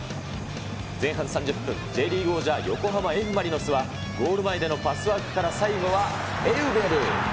前半３０分、Ｊリーグ王者、横浜Ｆ・マリノスは、ゴール前でのパスワークから最後はエウベル。